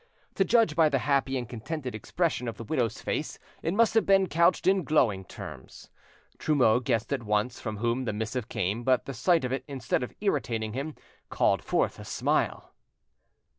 To judge by the happy and contented expression of the widow's face, it must have been couched in glowing terms. Trumeau guessed at once from whom the missive came, but the sight of it, instead of irritating him, called forth a smile.